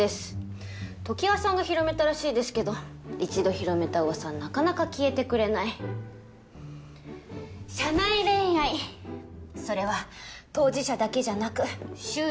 常盤さんが広めたらしいですけど一度広めたうわさはなかなか消えてくれない社内恋愛それは当事者だけじゃなく周囲にも影響を与えます